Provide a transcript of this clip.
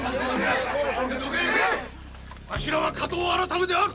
わしらは火盗改めである！